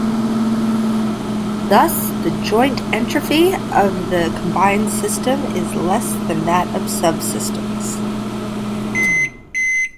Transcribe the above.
Thus the joint entropy of the combined system is less than that of subsystems.